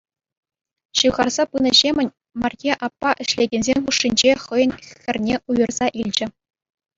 Ҫывхарса пынӑ ҫемӗн Марье аппа ӗҫлекенсем хушшинче хӑйӗн хӗрне уйӑрса илчӗ.